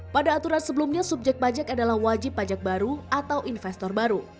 pada aturan sebelumnya subjek pajak adalah wajib pajak baru atau investor baru